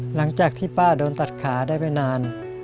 หลังจากที่ป้าโดนตัดขาได้ไม่นาน